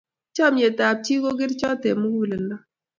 chamiyet ab kap chi ko kerichot ab muguleldo